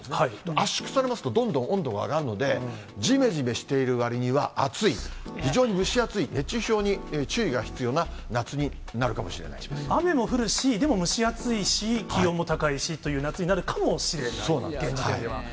圧縮されますと、どんどん温度が上がるので、じめじめしているわりには、暑い、非常に蒸し暑い、熱中症に注意が必要な夏になるか雨も降るし、でも蒸し暑いし、気温も高いしという夏になるかもしれない、現時点では。